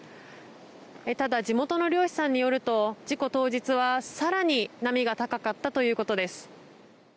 ただ、地元の漁師さんによると事故当日は更に波が高かったということです。